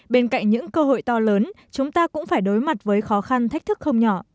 bên cạnh những cơ hội to lớn chúng ta cũng phải đối mặt với khó khăn thách thức không nhỏ